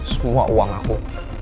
semua uang aku